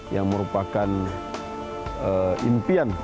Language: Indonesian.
yang merupakan impian